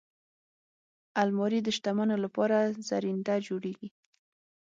الماري د شتمنو لپاره زرینده جوړیږي